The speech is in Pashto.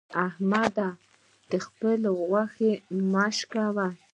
احمده! د خبل غوښې مه شکوه.